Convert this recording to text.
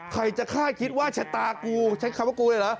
ใครจะฆ่าคิดว่าชะตากูใช้คำว่ากูเลยเหรอ